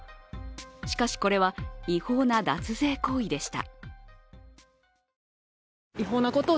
しかし、これは違法な脱税行為でした。